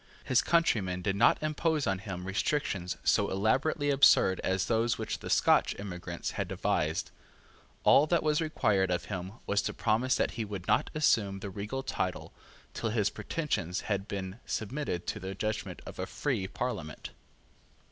His countrymen did not impose on him restrictions so elaborately absurd as those which the Scotch emigrants had devised. All that was required of him was to promise that he would not assume the regal title till his pretensions has been submitted to the judgment of a free Parliament.